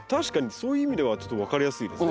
そういう意味ではちょっと分かりやすいですね。